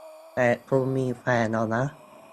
แต่คุณมีแฟนแล้วนะ